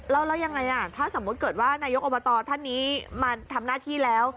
แล้วยังไงถ้าสมมุติเกิดว่านายกอบตท่านนี้มาทำหน้าที่แล้ว